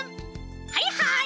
はいはい